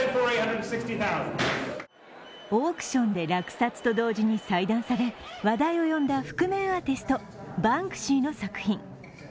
オークションで落札と同時に細断され話題を呼んだ覆面アーティスト、バンクシーの作品。